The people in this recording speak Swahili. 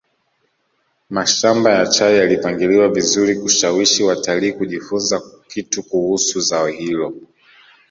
mashamba ya chai yalipangiliwa vizuri kushawishi watalii kujifunza kitu kuhusu zao hilo